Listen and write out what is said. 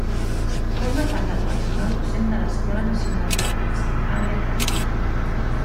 Forma part del personal docent de l’Escola Nacional de Dansa, àrea clàssica.